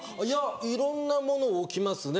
いろんなものを置きますね